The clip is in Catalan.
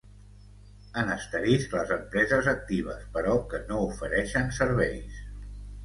En asterisc, les empreses actives però que no ofereixen serveis.